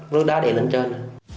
rước đá đè lên trên